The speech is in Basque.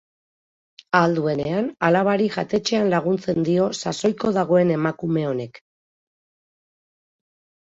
Ahal duenean alabari jatetxean laguntzen dio sasoiko dagoen emakume honek.